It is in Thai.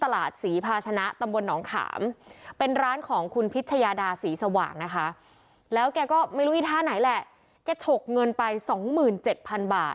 แล้วแกก็ไม่รู้อีท่าไหนแหละแกโฉกเงินไปสองหมื่นเจ็ดพันบาท